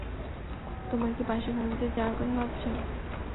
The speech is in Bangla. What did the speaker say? তোমরা কি পাশের ফার্মেসিতে যাওয়ার কথা ভাবছো?